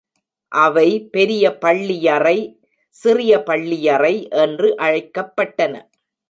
அவை பெரிய, பள்ளி யறை, சிறிய பள்ளியறை என்று அழைக்கப்பட்டன.